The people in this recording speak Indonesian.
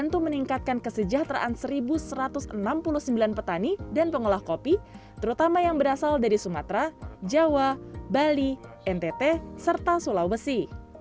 untuk meningkatkan kesejahteraan satu satu ratus enam puluh sembilan petani dan pengolah kopi terutama yang berasal dari sumatera jawa bali ntt serta sulawesi